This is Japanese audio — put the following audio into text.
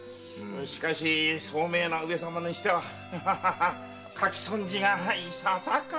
しかし聡明な上様にしては書き損じがいささか。